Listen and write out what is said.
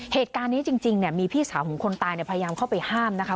เหตุการณ์นี้จริงเนี่ยมีพี่สาวของคนตายพยายามเข้าไปห้ามนะคะ